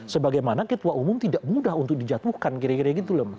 sebagaimana ketua umum tidak mudah untuk dijatuhkan kira kira gitu loh